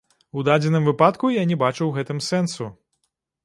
У дадзеным выпадку я не бачу ў гэтым сэнсу.